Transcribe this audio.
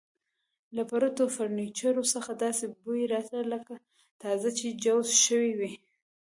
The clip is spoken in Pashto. له پرتو فرنیچرو څخه داسې بوی راته، لکه تازه چې جوړ شوي وي.